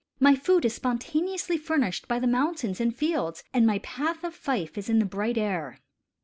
My food is spontaneously furnished by the mountains and fields, and my path of fife is in the bright air."